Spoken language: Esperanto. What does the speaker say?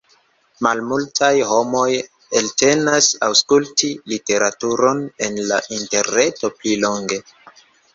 Malmultaj homoj eltenas aŭskulti literaturon en la interreto pli longe.